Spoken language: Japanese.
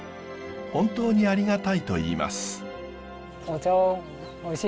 本当にありがたいといいます。